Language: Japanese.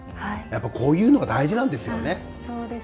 こういうのが大事なんですよね。